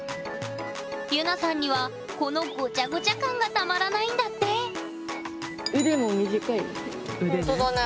ゆなさんにはこのごちゃごちゃ感がたまらないんだってほんとだね